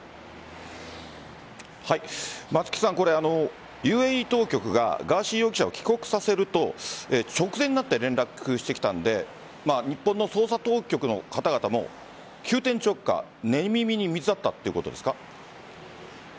松木さんＵＡＥ当局がガーシー容疑者を帰国させると直前になって連絡してきたので日本の捜査当局の方々も急転直下、寝耳に水だったということですか？